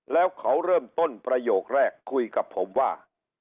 แล้วเขาเริ่มต้นประโยคแรกคุยกับผมว่า